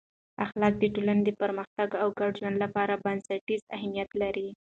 اخلاق د ټولنې د پرمختګ او ګډ ژوند لپاره بنسټیز اهمیت لري.